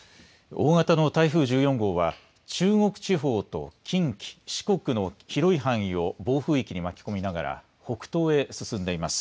大型の台風１４号は中国地方と近畿、四国の広い範囲を暴風域に巻き込みながら北東へ進んでいます。